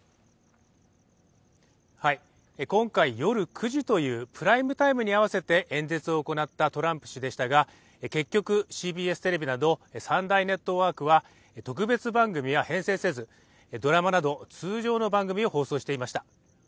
今回、夜９時というプライムタイムに合わせて演説を行ったトランプ氏でしたが、結局、ＣＢＳテレビなど３大ネットワークは特別番組は編成せずドラマなど通常の番組を放送していました。